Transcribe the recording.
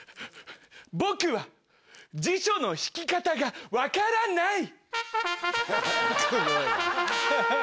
僕は辞書の引き方が分からない。